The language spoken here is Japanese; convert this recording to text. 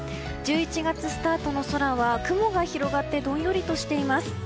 １１月スタートの空は雲が広がってどんよりとしています。